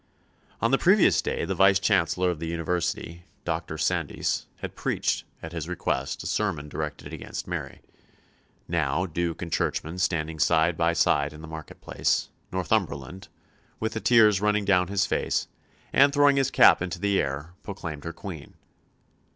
On the previous day the Vice Chancellor of the University, Doctor Sandys, had preached, at his request, a sermon directed against Mary. Now, Duke and churchman standing side by side in the market place, Northumberland, with the tears running down his face, and throwing his cap into the air, proclaimed her Queen.